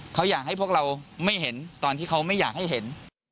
เขาอยากให้พวกเราไม่เห็นตอนที่เขาไม่อยากให้เห็น